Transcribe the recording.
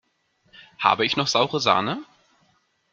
Habe ich noch saure Sahne?